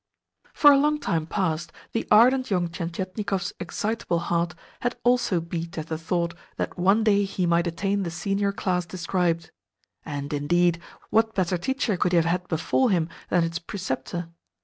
For a long time past the ardent young Tientietnikov's excitable heart had also beat at the thought that one day he might attain the senior class described. And, indeed, what better teacher could he have had befall him than its preceptor?